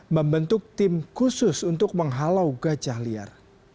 membentuk tim khusus untuk menghalau gajah liar